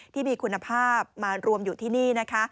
ที่มีคุณภาพมารวมอยู่ที่นี่นะคะ